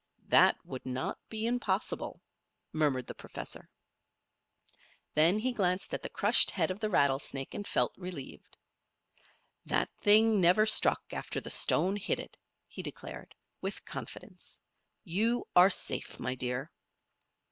"That would not be impossible," murmured the professor. Then he glanced at the crushed head of the rattlesnake, and felt relieved. "That thing never struck after the stone hit it!" he declared, with confidence. "You are safe, my dear."